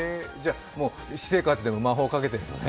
私生活でも魔法をかけてるのね。